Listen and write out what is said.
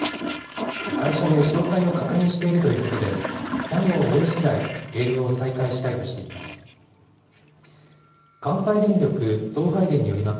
会社で詳細を確認しているということで作業を終えしだい営業を再開したいとしています。